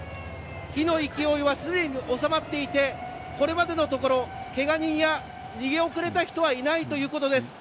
火の勢いはすでに収まっていてこれまでのところケガ人や逃げ遅れた人はいないということです。